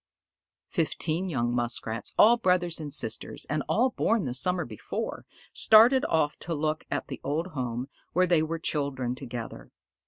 Fifteen young Muskrats, all brothers and sisters, and all born the summer before, started off to look at the old home where they were children together.